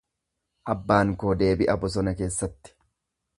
Abbaan koo deebi'a bosona keessatti.